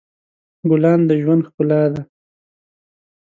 ګلان د ژوند ښکلا ده.